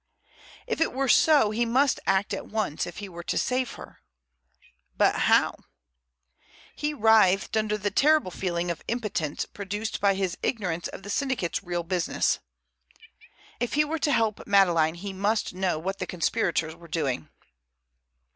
If it were so he must act at once if he were to save her. But how? He writhed under the terrible feeling of impotence produced by his ignorance of the syndicate's real business. If he were to help Madeleine he must know what the conspirators were doing.